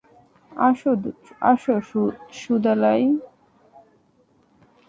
আসো, সুদালাই।